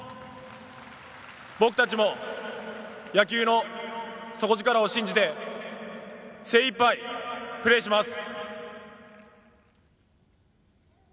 僕達も野球の底力を信じて精いっぱいプレーします